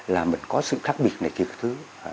là mình có sự khác biệt này kia các thứ